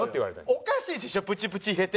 おかしいでしょプチプチ入れて。